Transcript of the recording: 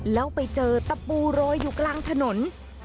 แล้วไปเจอตะปูโรยอยู่กลางถนน